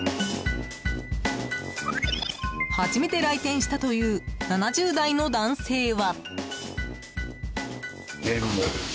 初めて来店したという７０代の男性は。